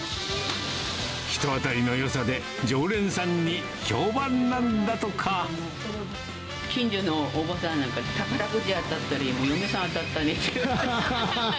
人当たりのよさで、近所のおばさんなんか、宝くじより、嫁さん当たったねって。